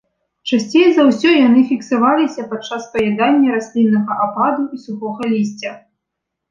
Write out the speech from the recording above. Часцей за ўсё яны фіксаваліся падчас паядання расліннага ападу і сухога лісця.